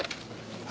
はい！